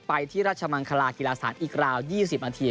ไปที่ราชมังคลากีฬาสถานอีกราว๒๐นาที